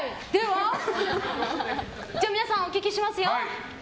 皆さん、お聞きしますよ。